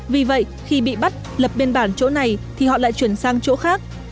vì vậy khi bị bắt lập biên bản chỗ này thì họ lại chuyển sang chỗ khác